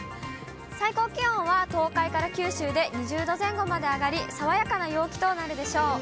最高気温は東海から九州で２０度前後まで上がり、爽やかな陽気となるでしょう。